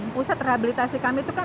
pusat rehabilitasi kami itu kan